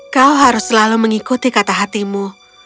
kau harus selalu mengikuti kata hatimu